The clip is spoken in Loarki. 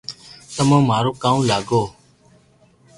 تمو مارو ڪاو لاگو